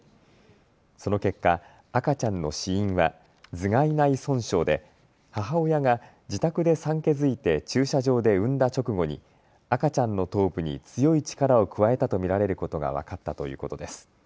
その結果、赤ちゃんの死因は頭蓋内損傷で母親が自宅で産気づいて駐車場で産んだ直後に赤ちゃんの頭部に強い力を加えたと見られることが分かったということです。